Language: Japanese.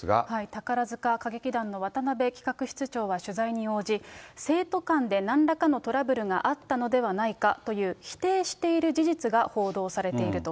宝塚歌劇団の渡辺企画室長は取材に応じ、生徒間でなんらかのトラブルがあったのではないかという否定している事実が報道されていると。